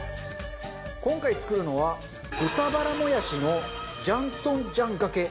今回作るのは豚バラもやしのジャンツォンジャンがけです。